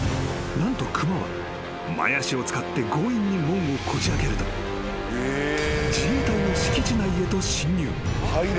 ［何と熊は前足を使って強引に門をこじあけると自衛隊の］